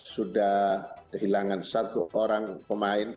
sudah kehilangan satu orang pemain